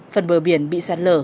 phần bờ biển bị sạt lở